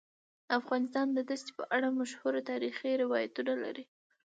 افغانستان د ښتې په اړه مشهور تاریخی روایتونه لري.